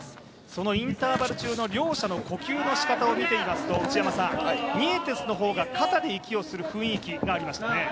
そのインターバル中の両者の呼吸のしかたを見ていますとニエテスの方が肩で息をする雰囲気がありましたね。